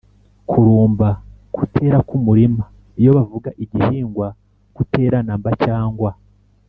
kurumba: kutera k’umurima, iyo bavuga igihingwa, kutera na mba cyangwa